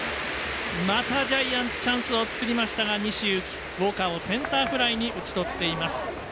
またジャイアンツチャンスを作りましたが西勇輝、ウォーカーをセンターフライに打ち取っています。